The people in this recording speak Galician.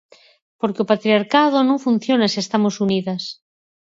Porque o patriarcado non funciona se estamos unidas.